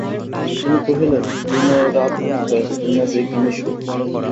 তিনি কহিলেন, বিনয়, রাত অনেক হয়েছে, তুমি আজ এইখানেই শুয়ো।